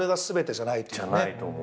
じゃないと思う。